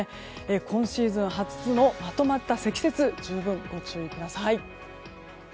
今シーズン初のまとまった積雪十分ご注意ください。